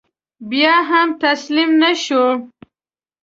بیا هم تسلیم نه شو.